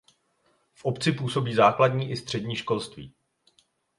V obci působí základní i střední školství.